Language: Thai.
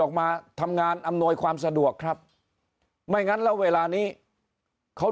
ออกมาทำงานอำนวยความสะดวกครับไม่งั้นแล้วเวลานี้เขา